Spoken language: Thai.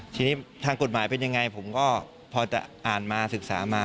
ทีนี้ทางกฎหมายเป็นยังไงผมก็พอจะอ่านมาศึกษามา